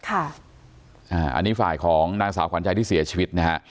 อันนี้ฝ่ายของนางสาวขวัญใจที่เสียชีวิตนะฮะ